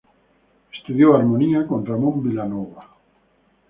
Estudió armonía con Ramón Vilanova.